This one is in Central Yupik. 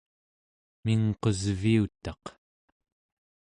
mingqusviutaq